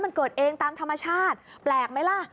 มันเกิดเองตามธรรมชาติแปลกไหมล่ะ